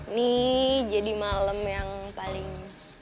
ini jadi malem yang paling